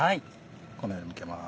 このようにむけます。